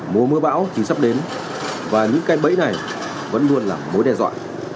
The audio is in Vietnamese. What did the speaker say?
mùa mưa bão thì sắp đến và những cái bẫy này vẫn luôn là mối đe dọa